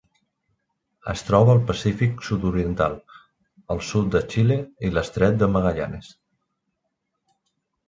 Es troba al Pacífic sud-oriental: el sud de Xile i l'estret de Magallanes.